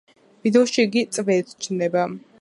ვიდეოში იგი წვერით ჩნდება.